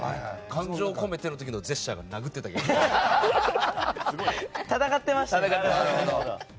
感情を込めている時のジェスチャーが戦ってましたね。